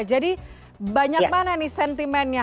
jadi banyak mana nih sentimennya